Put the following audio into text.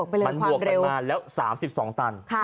มันบวกกันมาแล้ว๓๒ตัน